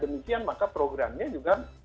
demikian maka programnya juga